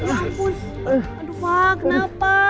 aduh pak kenapa